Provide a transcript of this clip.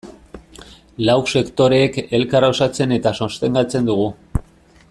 Lau sektoreek elkar osatzen eta sostengatzen dugu.